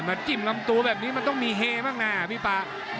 แม่จิ้มล้ำตู้แบบนี้มันต้องมีเฮมากน่ะอ่ะพี่ปะ